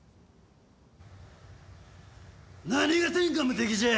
何が天下無敵じゃ！